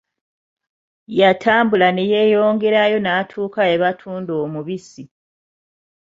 Yatambula ne yeeyongerayo n'atuuka we batunda omubisi.